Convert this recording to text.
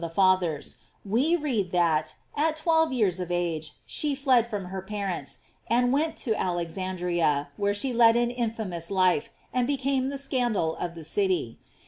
the Fathers, we read that, at twelve years of age she fled from her parents, and went to Alexan dria, where she led an infamous life, and became the scandal of the city.